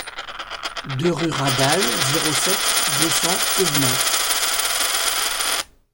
deux rue Radal, zéro sept, deux cents Aubenas